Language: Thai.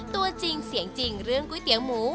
ตัวจริงเสียงจริงเรื่องก๋วยเตี๋ยวหมู